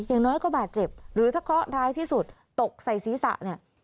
อย่างน้อยก็บาดเจ็บหรือถ้าเคราะห์ร้ายที่สุดตกใส่ศีรษะเนี่ย